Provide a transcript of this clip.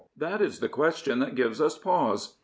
That is the question that gives us pause.